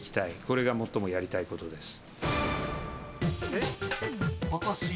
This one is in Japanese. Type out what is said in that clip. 「これが最もやりたいことです」